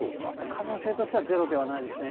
可能性としてはゼロではないですね。